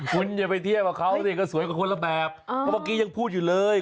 คุณอย่าไปเทียบกับเขาสิก็สวยกว่าคนละแบบเพราะเมื่อกี้ยังพูดอยู่เลย